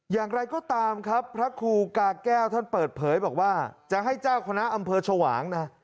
อย่างไรก็ตามครับพระครูกาแก้วท่านเปิดเผยบอกว่าจะให้เจ้าคณะอำเภอชวางนะ